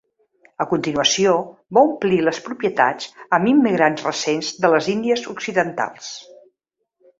A continuació, va omplir les propietats amb immigrants recents de les Índies Occidentals.